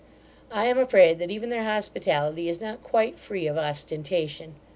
I am afraid that even their hospitality is not quite free of ostentation.